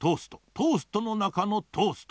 トーストのなかのトースト。